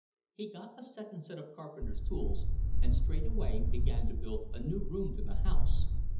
He got a second set of carpenter's tools, and straightway began to build a new room to the house.